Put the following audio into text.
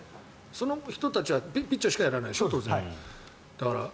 その人たちはピッチャーしかやらないでしょ当然。